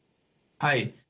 はい。